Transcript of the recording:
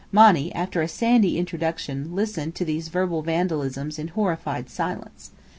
Monny (after a sandy introduction) listened to these verbal vandalisms in horrified silence.